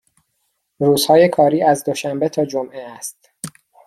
روزهای کاری از دوشنبه تا جمعه است.